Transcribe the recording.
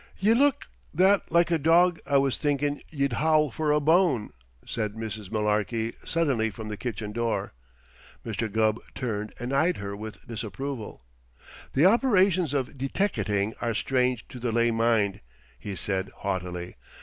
"Ye look that like a dog I was thinkin' ye'd howl for a bone," said Mrs. Mullarky suddenly from the kitchen door. Mr. Gubb turned and eyed her with disapproval. "The operations of deteckating are strange to the lay mind," he said haughtily.